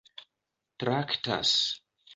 traktas